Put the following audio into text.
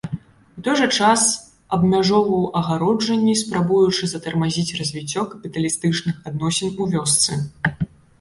У той жа час абмяжоўваў агароджванні, спрабуючы затармазіць развіццё капіталістычных адносін у вёсцы.